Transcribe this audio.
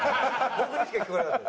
僕にしか聞こえなかった。